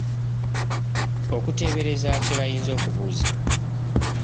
Okuteebereza kye bayinza okubuuza.